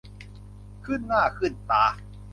ขึ้นหน้าขึ้นตา